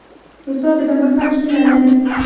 استاد د پرمختګ هیله لري.